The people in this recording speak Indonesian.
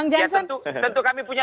jadi tentu kami punya